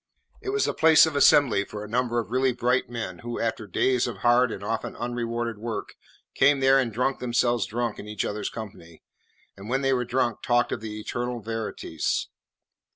It was the place of assembly for a number of really bright men, who after days of hard and often unrewarded work came there and drunk themselves drunk in each other's company, and when they were drunk talked of the eternal verities.